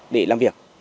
để làm việc